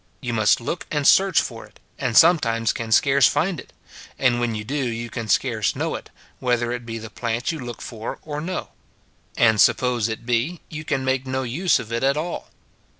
You must look and search for it, and sometimes can scarce find it ; and when you do, you can scarce know it, whether it be the plant you look for or no ; and suppose it be, you can make no use of it at all.